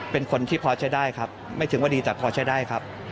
เป็นคนที่พอใช้ได้ครับไม่ถึงว่าดีแต่พอใช้ได้ครับ